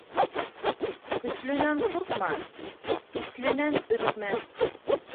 Көслөнән ҡурҡма, үсленән өркмә.